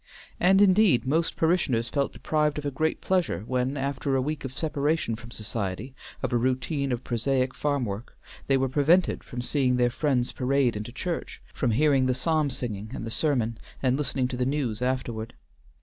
And indeed most parishioners felt deprived of a great pleasure when, after a week of separation from society, of a routine of prosaic farm work, they were prevented from seeing their friends parade into church, from hearing the psalm singing and the sermon, and listening to the news afterward.